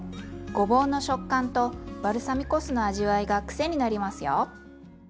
ごぼうの食感とバルサミコ酢の味わいが癖になりますよ。